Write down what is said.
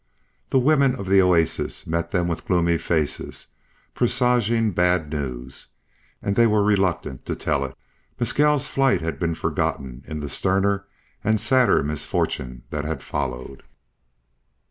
The women of the oasis met them with gloomy faces presaging bad news, and they were reluctant to tell it. Mescal's flight had been forgotten in the sterner and sadder misfortune that had followed.